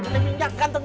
jadi minyak ganteng